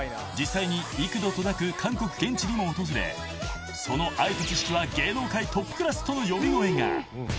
［実際に幾度となく韓国現地にも訪れその愛と知識は芸能界トップクラスとの呼び声が］